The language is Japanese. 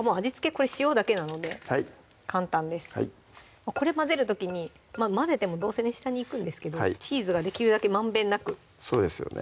これ塩だけなので簡単ですこれ混ぜる時に混ぜてもどうせね下に行くんですけどチーズができるだけまんべんなくそうですよね